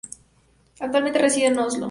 Actualmente reside en Oslo.